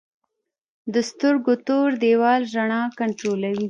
د سترګو تور دیوال رڼا کنټرولوي